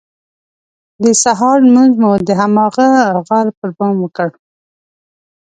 د سهار لمونځ مو د هماغه غار پر بام وکړ.